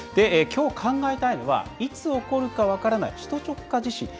きょう、考えたいのはいつ起こるか分からない首都直下地震。